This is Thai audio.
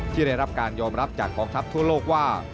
ที่ได้รับการยอมรับจากกองทัพทั่วโลกว่า